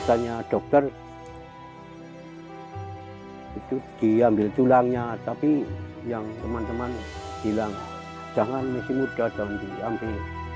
katanya dokter itu diambil tulangnya tapi yang teman teman bilang jangan masih muda dong diambil